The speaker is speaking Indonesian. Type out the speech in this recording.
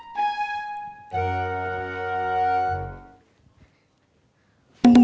gak ada apa apa